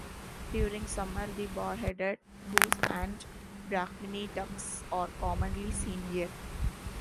During summer, the Bar-headed goose and Brahmini ducks are commonly seen here.